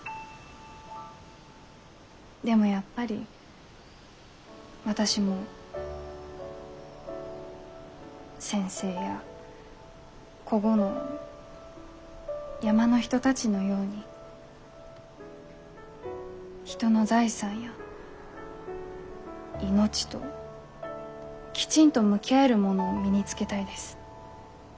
でもやっぱり私も先生やこごの山の人たちのように人の財産や命ときちんと向き合えるものを身につけたいです。